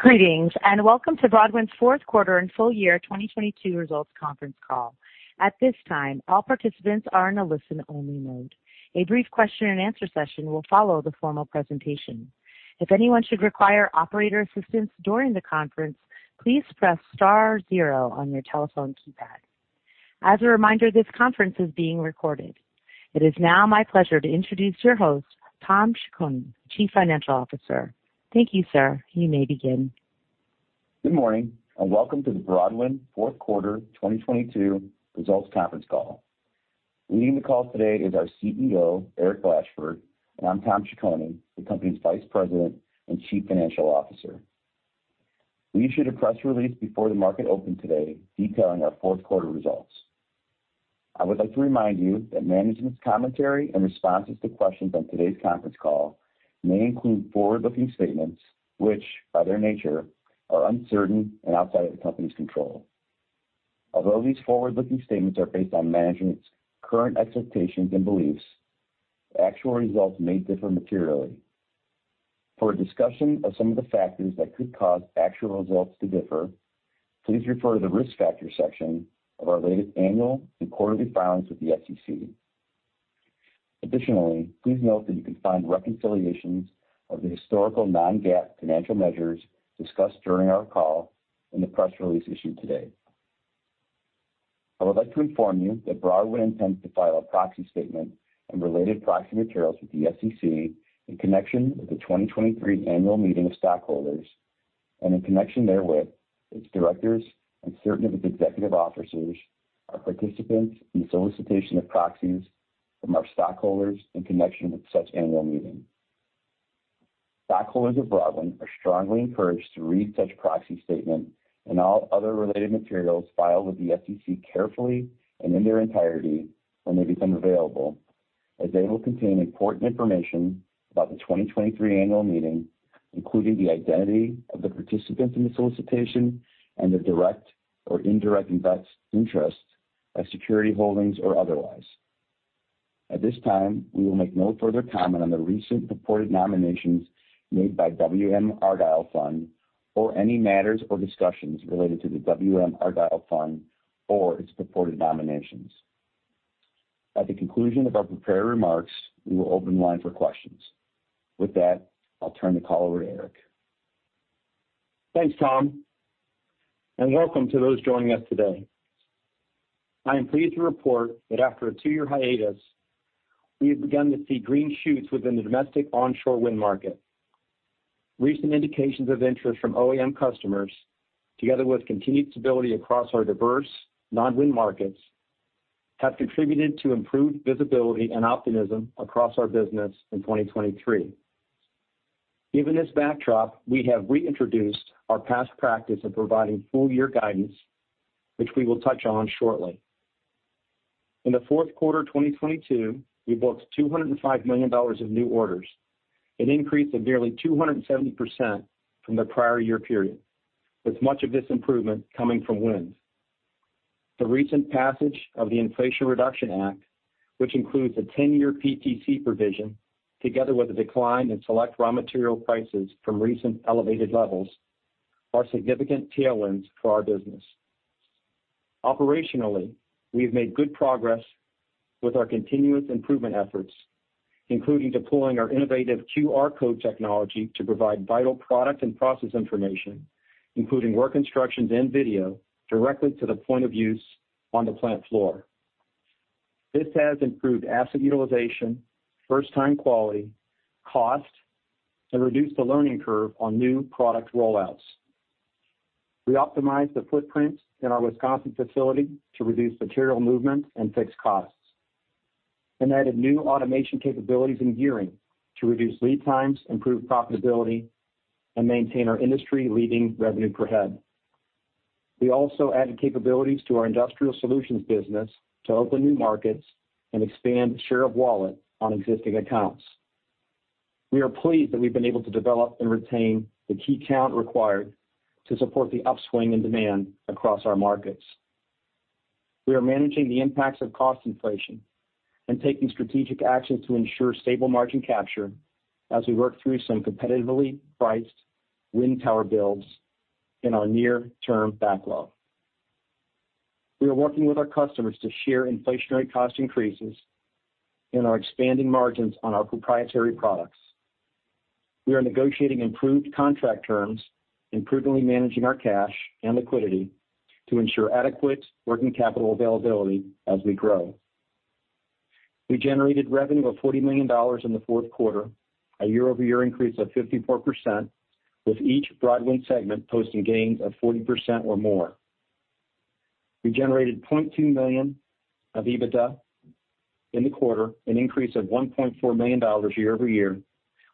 Greetings, welcome to Broadwind's Fourth Quarter and Full Year 2022 Results Conference Call. At this time, all participants are in a listen-only mode. A brief Q&A session will follow the formal presentation. If anyone should require operator assistance during the conference, please press star-zero on your telephone keypad. As a reminder, this conference is being recorded. It is now my pleasure to introduce your host, Tom Ciccone, Chief Financial Officer. Thank you, sir. You may begin. Good morning, welcome to the Broadwind fourth quarter 2022 results conference call. Leading the call today is our CEO, Eric Blashford, and I'm Tom Ciccone, the company's Vice President and Chief Financial Officer. We issued a press release before the market opened today detailing our fourth quarter results. I would like to remind you that management's commentary and responses to questions on today's conference call may include forward-looking statements, which by their nature are uncertain and outside of the company's control. Although these forward-looking statements are based on management's current expectations and beliefs, actual results may differ materially. For a discussion of some of the factors that could cause actual results to differ, please refer to the Risk Factors section of our latest annual and quarterly filings with the SEC. Additionally, please note that you can find reconciliations of the historical non-GAAP financial measures discussed during our call in the press release issued today. I would like to inform you that Broadwind intends to file a proxy statement and related proxy materials with the SEC in connection with the 2023 annual meeting of stockholders and in connection therewith, its directors and certain of its executive officers are participants in solicitation of proxies from our stockholders in connection with such annual meeting. Stockholders of Broadwind are strongly encouraged to read such proxy statement and all other related materials filed with the SEC carefully and in their entirety when they become available, as they will contain important information about the 2023 annual meeting, including the identity of the participants in the solicitation and the direct or indirect interests of security holdings or otherwise. At this time, we will make no further comment on the recent purported nominations made by WM Argyle Fund or any matters or discussions related to the WM Argyle Fund or its purported nominations. At the conclusion of our prepared remarks, we will open the line for questions. With that, I'll turn the call over to Eric. Thanks, Tom. Welcome to those joining us today. I am pleased to report that after a two-year hiatus, we have begun to see green shoots within the domestic onshore wind market. Recent indications of interest from OEM customers, together with continued stability across our diverse non-wind markets, have contributed to improved visibility and optimism across our business in 2023. Given this backdrop, we have reintroduced our past practice of providing full year guidance, which we will touch on shortly. In the fourth quarter 2022, we booked $205 million of new orders, an increase of nearly 270% from the prior year period, with much of this improvement coming from wind. The recent passage of the Inflation Reduction Act, which includes a 10-year PTC provision, together with a decline in select raw material prices from recent elevated levels, are significant tailwinds for our business. Operationally, we have made good progress with our continuous improvement efforts, including deploying our innovative QR code technology to provide vital product and process information, including work instructions and video, directly to the point of use on the plant floor. This has improved asset utilization, first-time quality, cost, and reduced the learning curve on new product rollouts. We optimized the footprint in our Wisconsin facility to reduce material movement and fixed costs and added new automation capabilities in gearing to reduce lead times, improve profitability, and maintain our industry-leading revenue per head. We also added capabilities to our industrial solutions business to open new markets and expand share of wallet on existing accounts. We are pleased that we've been able to develop and retain the key count required to support the upswing in demand across our markets. We are managing the impacts of cost inflation and taking strategic actions to ensure stable margin capture as we work through some competitively priced wind tower builds in our near-term backlog. We are working with our customers to share inflationary cost increases and are expanding margins on our proprietary products. We are negotiating improved contract terms and prudently managing our cash and liquidity to ensure adequate working capital availability as we grow. We generated revenue of $40 million in the fourth quarter, a YoY increase of 54%, with each Broadwind segment posting gains of 40% or more. We generated $0.2 million of EBITDA in the quarter, an increase of $1.4 million YoY,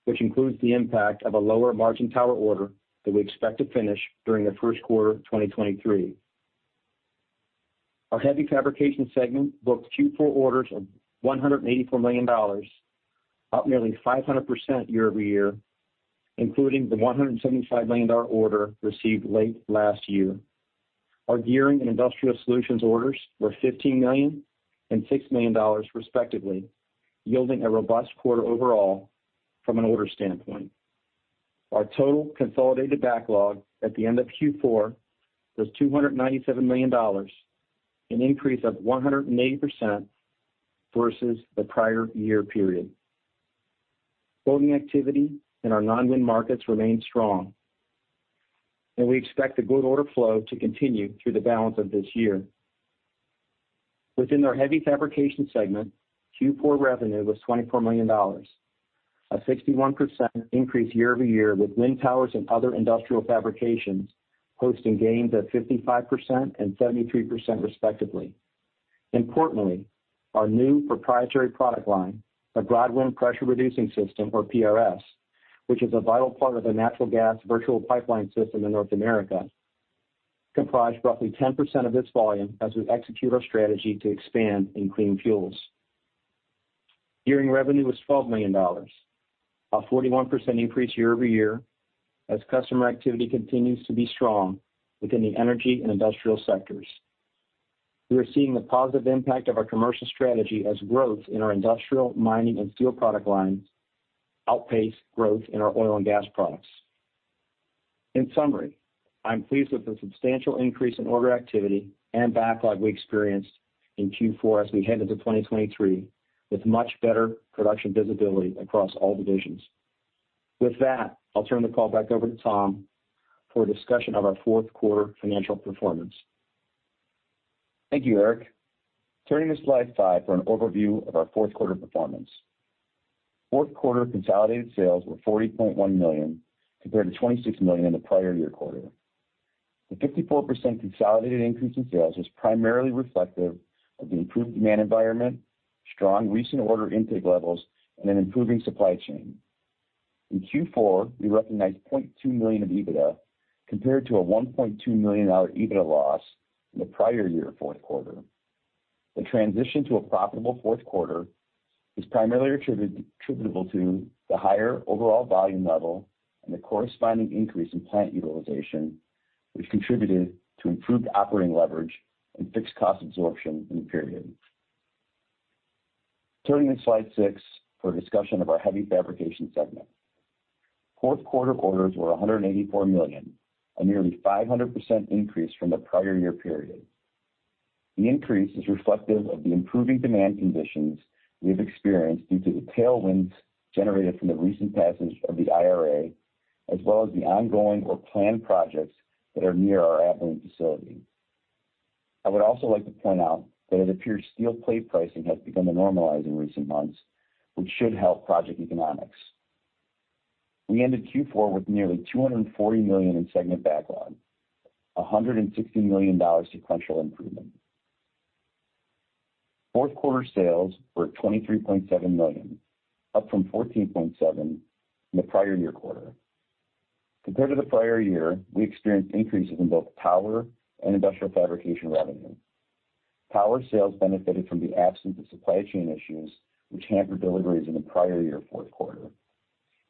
which includes the impact of a lower margin tower order that we expect to finish during the first quarter of 2023. Our heavy fabrication segment booked Q4 orders of $184 million, up nearly 500% YoY, including the $175 million order received late last year. Our Gearing and Industrial Solutions orders were $15 million and $6 million respectively, yielding a robust quarter overall from an order standpoint. Our total consolidated backlog at the end of Q4 was $297 million, an increase of 180% versus the prior year period. Building activity in our non-wind markets remains strong, we expect the good order flow to continue through the balance of this year. Within our heavy fabrication segment, Q4 revenue was $24 million, a 61% increase YoY, with wind towers and other industrial fabrications hosting gains of 55% and 73% respectively. Importantly, our new proprietary product line, the Broadwind Pressure Reducing Systems, or PRS, which is a vital part of the natural gas virtual pipeline system in North America, comprised roughly 10% of this volume as we execute our strategy to expand in clean fuels. Gearing revenue was $12 million, a 41% increase YoY as customer activity continues to be strong within the energy and industrial sectors. We are seeing the positive impact of our commercial strategy as growth in our industrial, mining, and steel product lines outpace growth in our oil and gas products. In summary, I'm pleased with the substantial increase in order activity and backlog we experienced in Q4 as we head into 2023 with much better production visibility across all divisions. With that, I'll turn the call back over to Tom for a discussion of our fourth quarter financial performance. Thank you, Eric. Turning to slide five for an overview of our fourth quarter performance. Fourth quarter consolidated sales were $40.1 million compared to $26 million in the prior year quarter. The 54% consolidated increase in sales was primarily reflective of the improved demand environment, strong recent order intake levels, and an improving supply chain. In Q4, we recognized $0.2 million of EBITDA compared to a $1.2 million EBITDA loss in the prior year fourth quarter. The transition to a profitable fourth quarter is primarily attributable to the higher overall volume level and the corresponding increase in plant utilization, which contributed to improved operating leverage and fixed cost absorption in the period. Turning to slide six for a discussion of our heavy fabrication segment. Fourth quarter orders were $184 million, a nearly 500% increase from the prior-year period. The increase is reflective of the improving demand conditions we have experienced due to the tailwinds generated from the recent passage of the IRA, as well as the ongoing or planned projects that are near our Abilene facility. I would also like to point out that it appears steel plate pricing has begun to normalize in recent months, which should help project economics. We ended Q4 with nearly $240 million in segment backlog, a $160 million sequential improvement. Fourth quarter sales were $23.7 million, up from $14.7 million in the prior-year quarter. Compared to the prior-year, we experienced increases in both power and industrial fabrication revenue. Power sales benefited from the absence of supply chain issues which hampered deliveries in the prior year fourth quarter.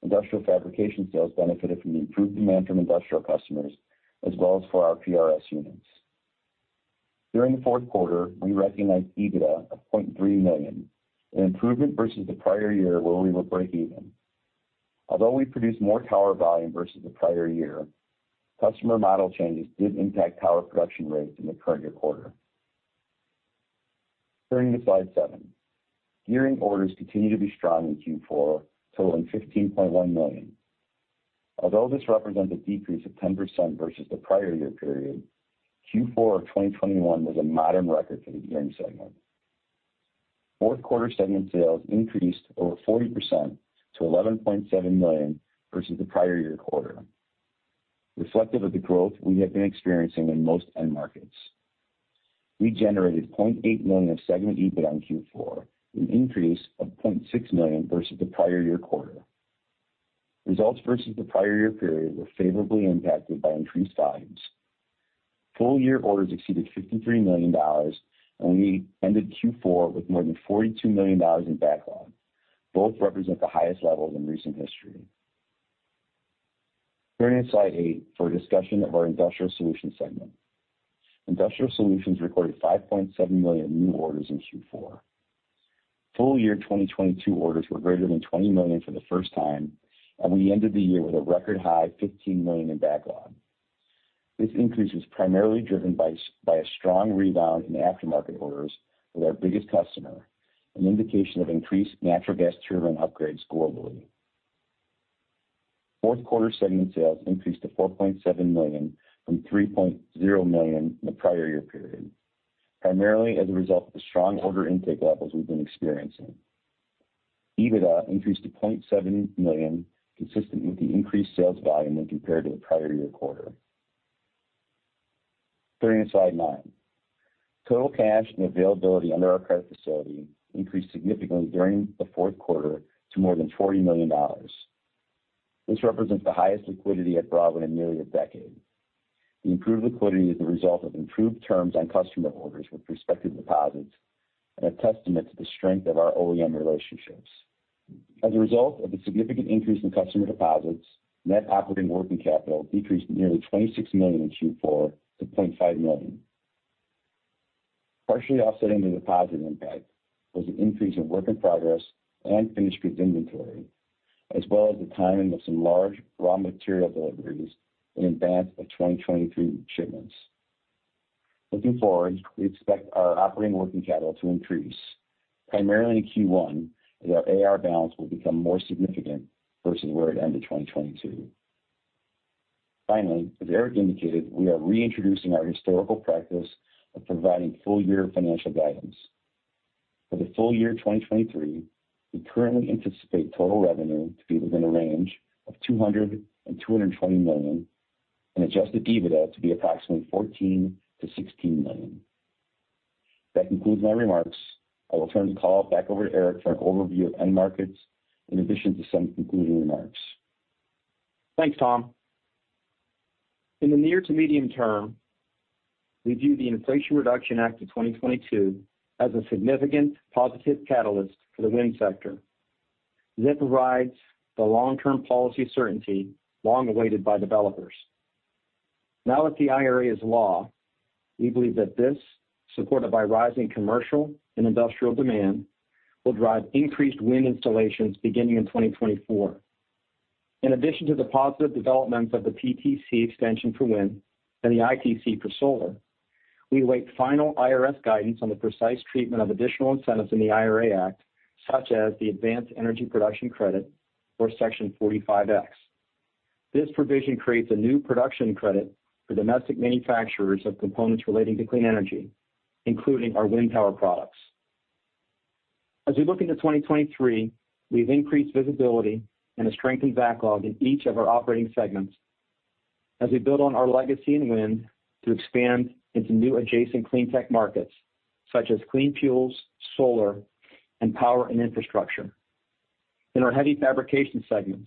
Industrial fabrication sales benefited from the improved demand from industrial customers as well as for our PRS units. During the fourth quarter, we recognized EBITDA of $0.3 million, an improvement versus the prior year where we were breakeven. Although we produced more power volume versus the prior year, customer model changes did impact power production rates in the current year quarter. Turning to slide seven. Gearing orders continued to be strong in Q4, totaling $15.1 million. Although this represents a decrease of 10% versus the prior year period, Q4 of 2021 was a modern record for the Gearing segment. Fourth quarter segment sales increased over 40% to $11.7 million versus the prior year quarter. Reflective of the growth we have been experiencing in most end markets. We generated $0.8 million of segment EBITDA in Q4, an increase of $0.6 million versus the prior year quarter. Results versus the prior year period were favorably impacted by increased volumes. Full year orders exceeded $53 million, and we ended Q4 with more than $42 million in backlog. Both represent the highest levels in recent history. Turning to slide eight for a discussion of our Industrial Solutions segment. Industrial Solutions recorded $5.7 million new orders in Q4. Full year 2022 orders were greater than $20 million for the first time, and we ended the year with a record high $15 million in backlog. This increase was primarily driven by a strong rebound in aftermarket orders with our biggest customer, an indication of increased natural gas turbine upgrades globally. Fourth quarter segment sales increased to $4.7 million from $3.0 million in the prior year period, primarily as a result of the strong order intake levels we've been experiencing. EBITDA increased to $0.7 million, consistent with the increased sales volume when compared to the prior year quarter. Turning to slide nine. Total cash and availability under our credit facility increased significantly during the fourth quarter to more than $40 million. This represents the highest liquidity at Broadwind in nearly a decade. The improved liquidity is the result of improved terms on customer orders with respective deposits and a testament to the strength of our OEM relationships. As a result of the significant increase in customer deposits, net operating working capital decreased nearly $26 million in Q4 to $0.5 million. Partially offsetting the deposit impact was the increase in work in progress and finished goods inventory, as well as the timing of some large raw material deliveries in advance of 2023 shipments. Looking forward, we expect our operating working capital to increase primarily in Q1 as our AR balance will become more significant versus where it ended 2022. As Eric indicated, we are reintroducing our historical practice of providing full year financial guidance. For the full year 2023, we currently anticipate total revenue to be within a range of $200 million-$220 million and Adjusted EBITDA to be approximately $14 million-$16 million. That concludes my remarks. I will turn the call back over to Eric for an overview of end markets in addition to some concluding remarks. Thanks, Tom. In the near to medium term, we view the Inflation Reduction Act of 2022 as a significant positive catalyst for the wind sector that provides the long-term policy certainty long awaited by developers. Now that the IRA is law, we believe that this, supported by rising commercial and industrial demand, will drive increased wind installations beginning in 2024. In addition to the positive developments of the PTC extension for wind and the ITC for solar, we await final IRS guidance on the precise treatment of additional incentives in the IRA Act, such as the Advanced Manufacturing Production Credit or Section 45X. This provision creates a new production credit for domestic manufacturers of components relating to clean energy, including our wind power products. As we look into 2023, we've increased visibility and a strengthened backlog in each of our operating segments as we build on our legacy in wind to expand into new adjacent clean tech markets such as clean fuels, solar, and power and infrastructure. In our heavy fabrication segment,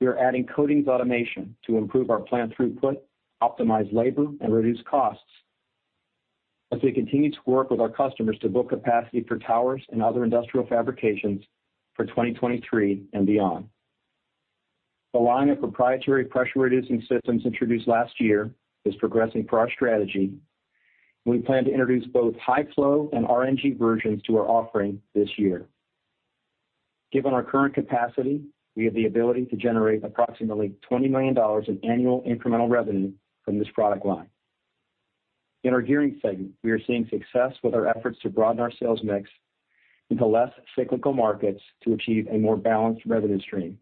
we are adding coatings automation to improve our plant throughput, optimize labor, and reduce costs as we continue to work with our customers to book capacity for towers and other industrial fabrications for 2023 and beyond. The line of proprietary Pressure Reducing Systems introduced last year is progressing per our strategy, and we plan to introduce both high flow and RNG versions to our offering this year. Given our current capacity, we have the ability to generate approximately $20 million in annual incremental revenue from this product line. In our gearing segment, we are seeing success with our efforts to broaden our sales mix into less cyclical markets to achieve a more balanced revenue stream.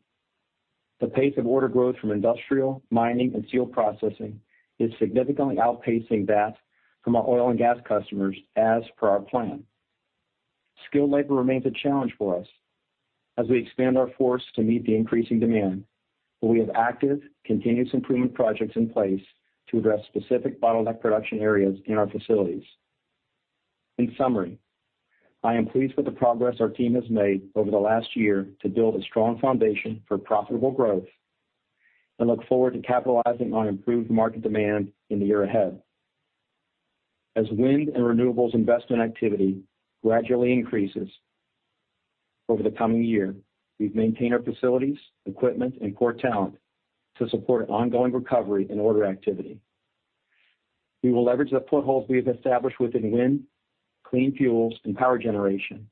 The pace of order growth from industrial, mining, and steel processing is significantly outpacing that from our oil and gas customers as per our plan. Skilled labor remains a challenge for us as we expand our force to meet the increasing demand. We have active continuous improvement projects in place to address specific bottleneck production areas in our facilities. In summary, I am pleased with the progress our team has made over the last year to build a strong foundation for profitable growth and look forward to capitalizing on improved market demand in the year ahead. As wind and renewables investment activity gradually increases over the coming year, we've maintained our facilities, equipment, and core talent to support ongoing recovery and order activity. We will leverage the footholds we have established within wind, clean fuels, and power generation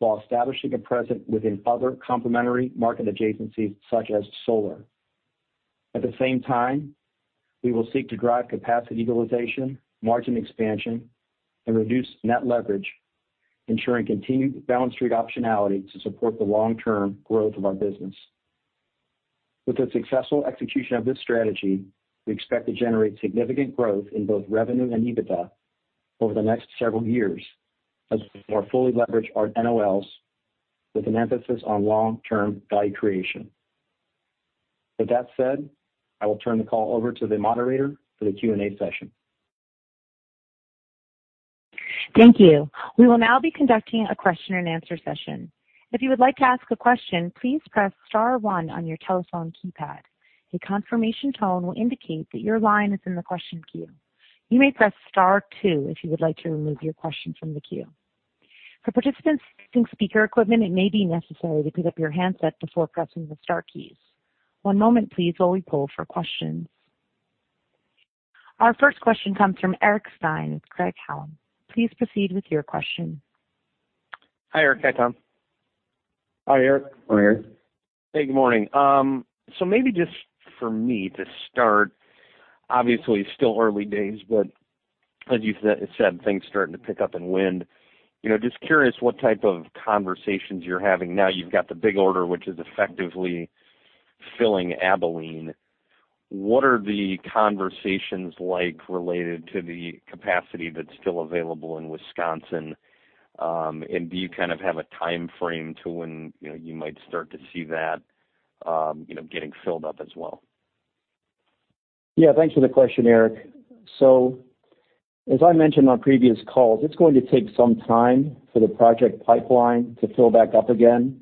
while establishing a presence within other complementary market adjacencies such as solar. At the same time, we will seek to drive capacity utilization, margin expansion, and reduce net leverage, ensuring continued balance sheet optionality to support the long-term growth of our business. With the successful execution of this strategy, we expect to generate significant growth in both revenue and EBITDA over the next several years as we more fully leverage our NOLs with an emphasis on long-term value creation. With that said, I will turn the call over to the moderator for the Q&A session. Thank you. We will now be conducting a Q&A session. If you would like to ask a question, please press star one on your telephone keypad. A confirmation tone will indicate that your line is in the question queue. You may press star two if you would like to remove your question from the queue. For participants using speaker equipment, it may be necessary to pick up your handset before pressing the star keys. One moment please while we poll for questions. Our first question comes from Eric Stine with Craig-Hallum. Please proceed with your question. Hi, Eric. Hi, Tom. Hi, Eric. Hi, Eric. Hey, good morning. Maybe just for me to start, obviously, it's still early days, but as you've said, things are starting to pick up in wind. You know, just curious what type of conversations you're having now. You've got the big order, which is effectively filling Abilene. What are the conversations like related to the capacity that's still available in Wisconsin? Do you kind of have a timeframe to when, you know, you might start to see that, getting filled up as well? Yeah, thanks for the question, Eric. As I mentioned on previous calls, it's going to take some time for the project pipeline to fill back up again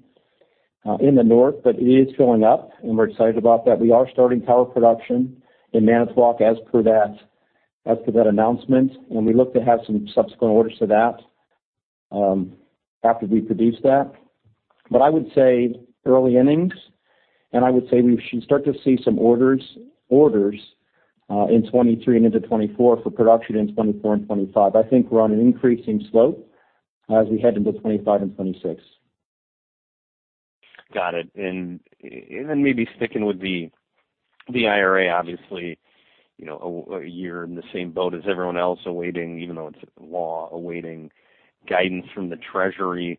in the North, but it is filling up, and we're excited about that. We are starting power production in Manitowoc as per that. As to that announcement, and we look to have some subsequent orders for that after we produce that. I would say early innings, and I would say we should start to see some orders in 2023 and into 2024 for production in 2024 and 2025. I think we're on an increasing slope as we head into 2025 and 2026. Got it. Maybe sticking with the IRA, obviously, you know, a year in the same boat as everyone else awaiting, even though it's law, awaiting guidance from the treasury.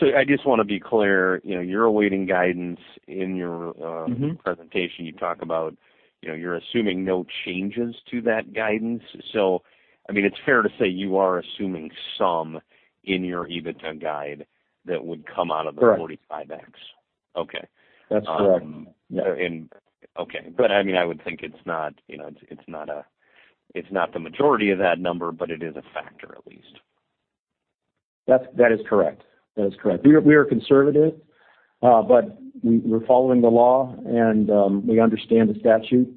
I just wanna be clear, you know, you're awaiting guidance in your. Mm-hmm... presentation. You talk about, you know, you're assuming no changes to that guidance. I mean, it's fair to say you are assuming some in your EBITDA guide that would come out of the. Correct... 45X. Okay. That's correct. Yeah. Okay. I mean, I would think it's not, you know, it's not the majority of that number, but it is a factor at least. That is correct. That is correct. We are conservative, but we're following the law and we understand the statute.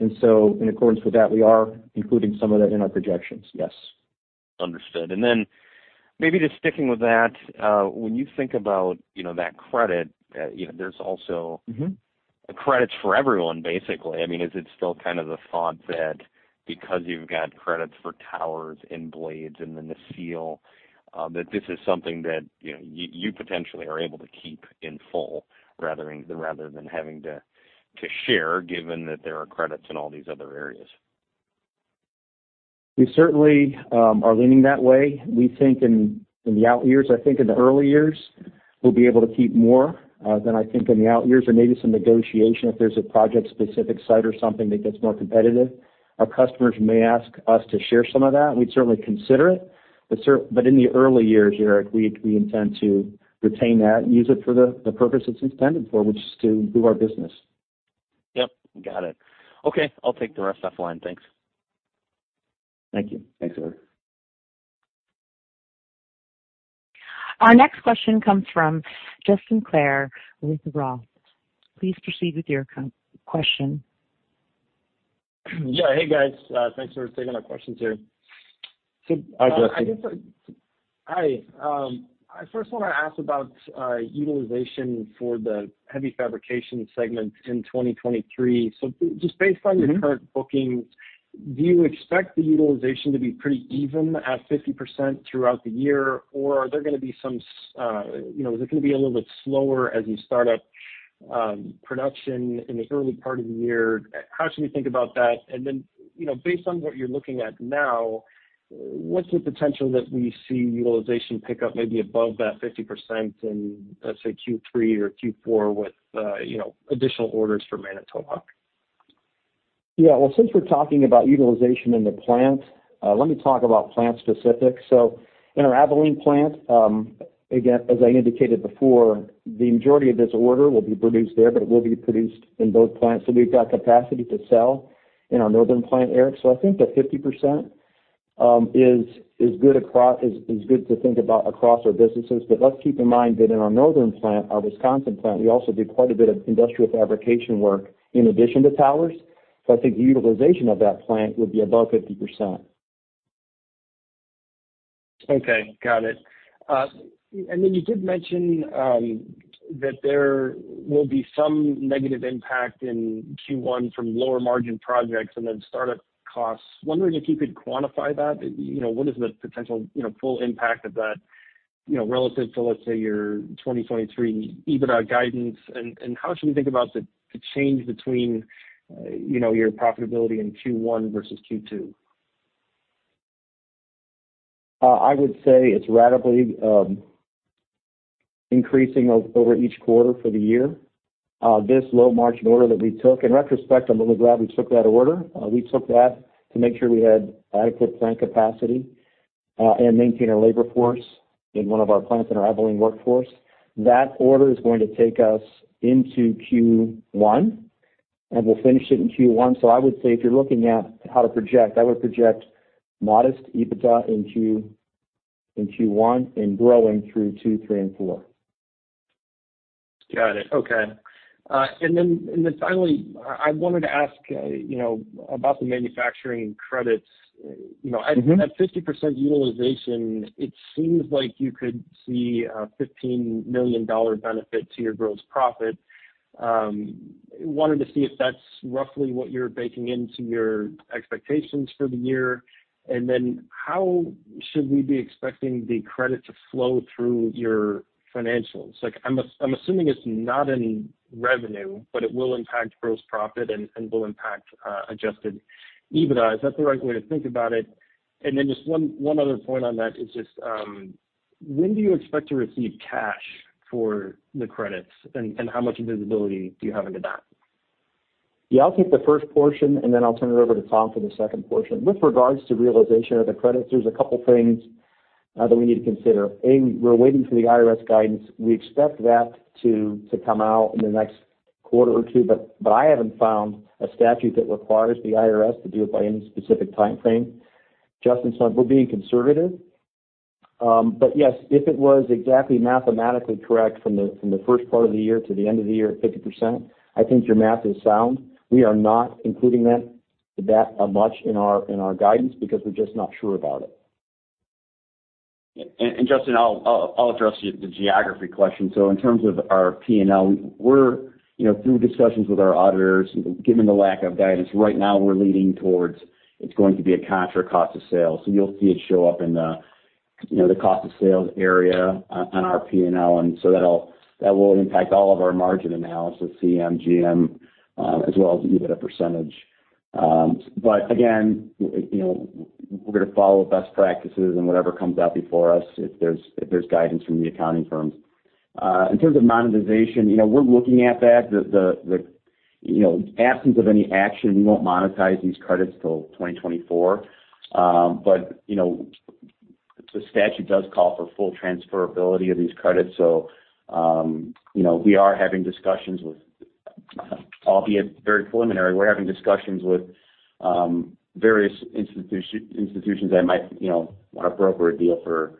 In accordance with that, we are including some of that in our projections, yes. Understood. maybe just sticking with that, when you think about, you know, that credit, you know, there's also. Mm-hmm... credits for everyone, basically. I mean, is it still kind of the thought that because you've got credits for towers and blades and then the steel, that this is something that, you know, you potentially are able to keep in full rather than having to share, given that there are credits in all these other areas? We certainly are leaning that way. We think in the out years. I think in the early years, we'll be able to keep more than I think in the out years or maybe some negotiation if there's a project specific site or something that gets more competitive. Our customers may ask us to share some of that, and we'd certainly consider it. In the early years, Eric, we intend to retain that and use it for the purpose it's intended for, which is to do our business. Yep, got it. Okay, I'll take the rest offline. Thanks. Thank you. Thanks, Eric. Our next question comes from Justin Clare with Roth. Please proceed with your question. Yeah. Hey, guys. Thanks for taking my questions here. Hi, Justin. I guess I. Hi. I first wanna ask about utilization for the heavy fabrication segment in 2023. Just based on- Mm-hmm... your current bookings, do you expect the utilization to be pretty even at 50% throughout the year, or are there gonna be some, you know, is it gonna be a little bit slower as you start up production in the early part of the year? How should we think about that? You know, based on what you're looking at now, what's the potential that we see utilization pick up maybe above that 50% in, let's say, Q3 or Q4 with, you know, additional orders for Manitowoc? Yeah. Since we're talking about utilization in the plant, let me talk about plant specific. In our Abilene plant, again, as I indicated before, the majority of this order will be produced there, but it will be produced in both plants. We've got capacity to sell in our northern plant, Justin. I think that 50% is good to think about across our businesses. Let's keep in mind that in our northern plant, our Wisconsin plant, we also do quite a bit of industrial fabrication work in addition to towers. I think the utilization of that plant would be above 50%. Okay. Got it. You did mention that there will be some negative impact in Q1 from lower margin projects and then start-up costs. Wondering if you could quantify that. You know, what is the potential, you know, full impact of that, you know, relative to, let's say, your 2023 EBITDA guidance? How should we think about the change between, you know, your profitability in Q1 versus Q2? I would say it's radically increasing over each quarter for the year. This low margin order that we took, in retrospect, I'm really glad we took that order. We took that to make sure we had adequate plant capacity, and maintain our labor force in one of our plants, in our Abilene workforce. That order is going to take us into Q1, and we'll finish it in Q1. I would say if you're looking at how to project, I would project modest EBITDA in Q1 and growing through Q2, Q3 and Q4. Got it. Okay. Then finally, I wanted to ask, you know, about the manufacturing credits. Mm-hmm... at 50% utilization, it seems like you could see a $15 million benefit to your gross profit. Wanted to see if that's roughly what you're baking into your expectations for the year. How should we be expecting the credit to flow through your financials? Like, I'm assuming it's not in revenue, but it will impact gross profit and will impact Adjusted EBITDA. Is that the right way to think about it? Just one other point on that is just, when do you expect to receive cash for the credits, and how much visibility do you have into that? Yeah. I'll take the first portion, then I'll turn it over to Tom for the second portion. With regards to realization of the credits, there's a couple things that we need to consider. A, we're waiting for the IRS guidance. We expect that to come out in the next quarter or two, but I haven't found a statute that requires the IRS to do it by any specific timeframe. Justin. We're being conservative. Yes, if it was exactly mathematically correct from the first part of the year to the end of the year at 50%, I think your math is sound. We are not including that much in our guidance because we're just not sure about it. Justin, I'll address the geography question. In terms of our P&L, we're, you know, through discussions with our auditors, given the lack of guidance right now we're leaning towards it's going to be a contra cost of sale. You'll see it show up in the, you know, the cost of sales area on our P&L. That will impact all of our margin analysis, CM, GM, as well as EBITDA percentage. Again, you know, we're gonna follow best practices and whatever comes out before us if there's, if there's guidance from the accounting firms. In terms of monetization, you know, we're looking at that. You know, absence of any action, we won't monetize these credits till 2024. You know, the statute does call for full transferability of these credits. you know, we are having discussions with, albeit very preliminary, we're having discussions with, various institutions that might, you know, want to broker a deal for,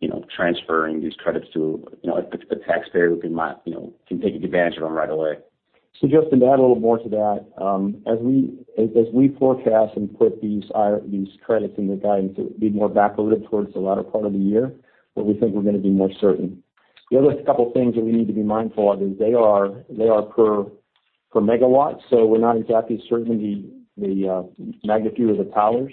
you know, transferring these credits to, you know, a taxpayer who can, you know, take advantage of them right away. Justin, to add a little more to that, as we forecast and put these credits in the guidance, it would be more backloaded towards the latter part of the year where we think we're gonna be more certain. The other couple of things that we need to be mindful of is they are per megawatt, so we're not exactly certain the magnitude of the towers,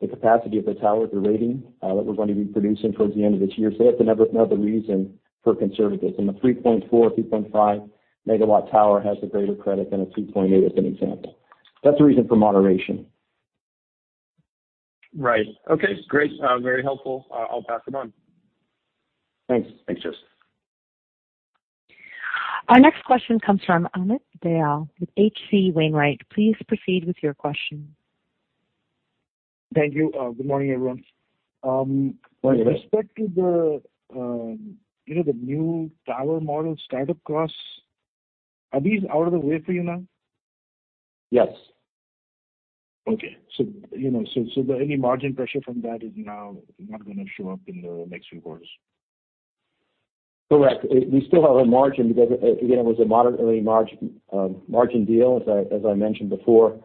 the capacity of the tower, the rating that we're going to be producing towards the end of this year. That's another reason for conservatism. The 3.4, 3.5 MW tower has a greater credit than a 2.8, as an example. That's the reason for moderation. Right. Okay, great. very helpful. I'll pass it on. Thanks. Thanks, Justin. Our next question comes from Amit Dayal with H.C. Wainwright. Please proceed with your question. Thank you. Good morning, everyone. Morning, Amit. With respect to the, you know, the new tower model startup costs, are these out of the way for you now? Yes. Okay. you know, so any margin pressure from that is now not gonna show up in the next few quarters. Correct. We still have a margin because again, it was a moderate early margin deal, as I mentioned before.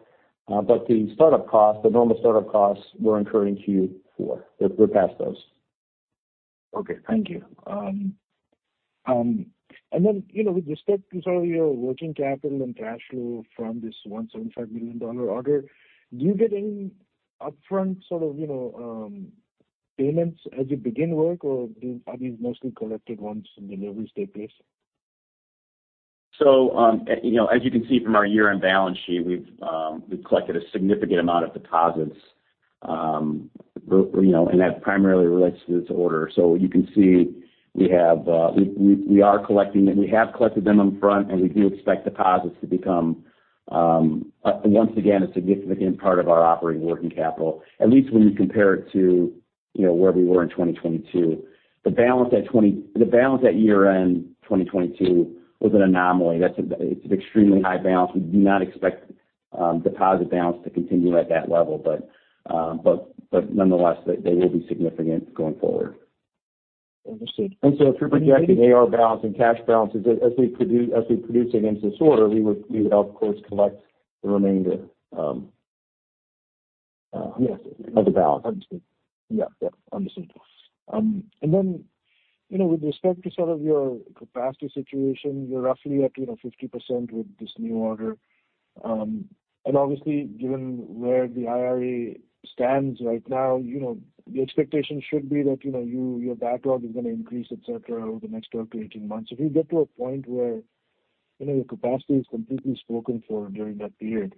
The startup costs, the normal startup costs we're incurring Q4. We're past those. Okay. Thank you. you know, with respect to sort of your working capital and cash flow from this $175 million order, do you get any upfront sort of, you know, payments as you begin work, or are these mostly collected once deliveries take place? As you can see from our year-end balance sheet, we've collected a significant amount of deposits, and that primarily relates to this order. You can see we have, we are collecting and we have collected them upfront, and we do expect deposits to become once again, a significant part of our operating working capital, at least when you compare it to where we were in 2022. The balance at year-end 2022 was an anomaly. It's an extremely high balance. We do not expect deposit balance to continue at that level. Nonetheless, they will be significant going forward. Understood. If you're projecting AR balance and cash balances as we produce against this order, we would of course collect the remainder. Yes. Of the balance. Understood. Yeah. Understood. You know, with respect to sort of your capacity situation, you're roughly at, you know, 50% with this new order. Obviously, given where the IRA stands right now, you know, the expectation should be that, you know, your backlog is gonna increase, et cetera, over the next 12 to 18 months. If you get to a point where, you know, your capacity is completely spoken for during that period,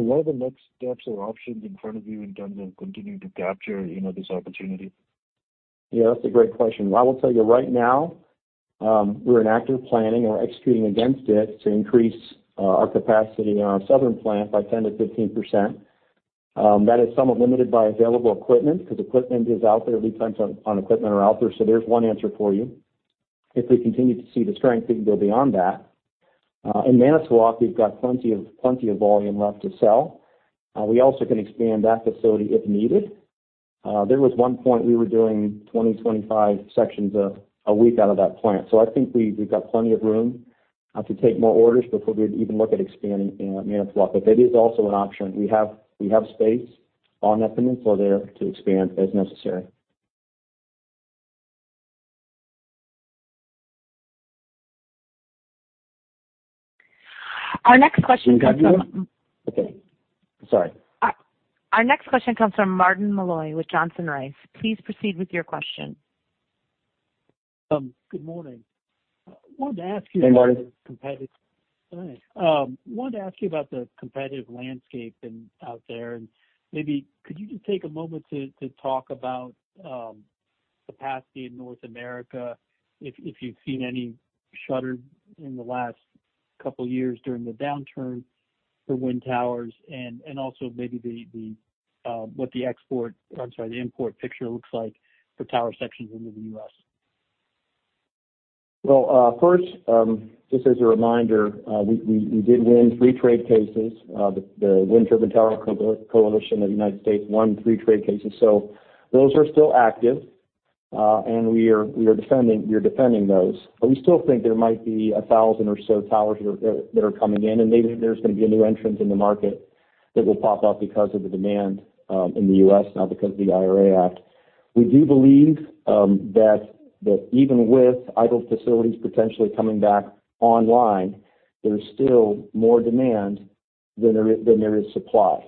what are the next steps or options in front of you in terms of continuing to capture, you know, this opportunity? That's a great question. I will tell you right now, we're in active planning or executing against it to increase our capacity in our southern plant by 10%-15%. That is somewhat limited by available equipment because equipment is out there. Lead times on equipment are out there. There's one answer for you. If we continue to see the strength, we can go beyond that. In Manitowoc, we've got plenty of volume left to sell. We also can expand that facility if needed. There was one point we were doing 20-25 sections a week out of that plant. I think we've got plenty of room to take more orders before we'd even look at expanding in Manitowoc. It is also an option. We have space on that peninsula there to expand as necessary. Our next question comes from. Can I do another? Okay. Sorry. Our next question comes from Martin Malloy with Johnson Rice. Please proceed with your question. Good morning. I wanted to ask you- Hey, Martin. Hi. Wanted to ask you about the competitive landscape out there, and maybe could you just take a moment to talk about capacity in North America, if you've seen any shuttered in the last couple of years during the downturn for wind towers and also maybe the, what the import picture looks like for tower sections into the U.S.? First, just as a reminder, we did win three trade cases. The Wind Turbine Tower Coalition of the United States won three trade cases. Those are still active, and we are defending those. We still think there might be 1,000 or so towers that are coming in, and maybe there's gonna be a new entrant in the market that will pop up because of the demand in the U.S. now because of the IRA Act. We do believe that even with idle facilities potentially coming back online, there's still more demand than there is supply.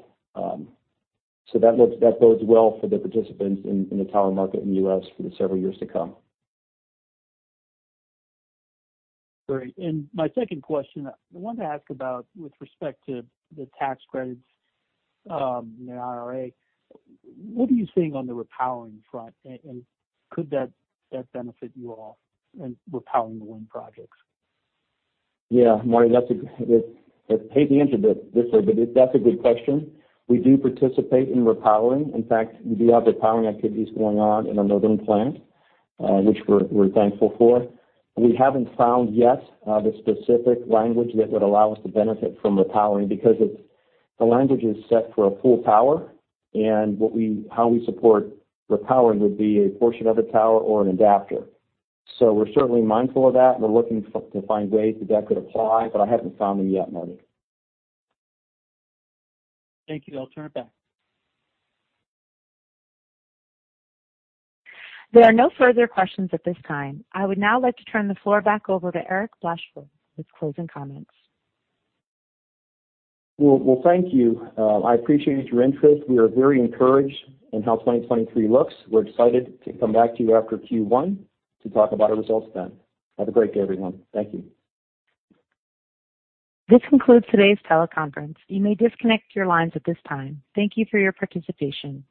That bodes well for the participants in the tower market in the U.S. for the several years to come. Great. My second question, I wanted to ask about with respect to the tax credits, the IRA, what are you seeing on the repowering front? And could that benefit you all in repowering the wind projects? Yeah, Martin, that's a hazy answer, but that's a good question. We do participate in repowering. In fact, we do have repowering activities going on in our Northern plant, which we're thankful for. We haven't found yet, the specific language that would allow us to benefit from repowering because the language is set for a full tower, and what how we support repowering would be a portion of a tower or an adapter. We're certainly mindful of that, and we're looking to find ways that could apply, but I haven't found them yet, Martin. Thank you. I'll turn it back. There are no further questions at this time. I would now like to turn the floor back over to Eric Blashford with closing comments. Well, thank you. I appreciate your interest. We are very encouraged in how 2023 looks. We're excited to come back to you after Q1 to talk about our results then. Have a great day, everyone. Thank you. This concludes today's teleconference. You may disconnect your lines at this time. Thank you for your participation.